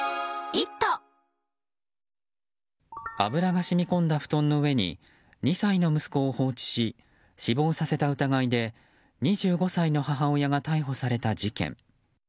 油が染み込んだ布団の上に２歳の息子を放置し死亡させた疑いで２５歳の母親が逮捕された事件。